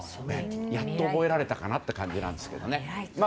やっと覚えられたかなという感じですが。